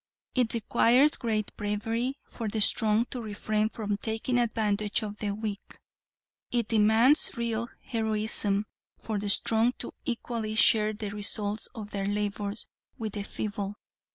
It requires great bravery for the strong to refrain from taking advantage of the weak; it demands real heroism for the strong to equally share the results of their labors with the feeble.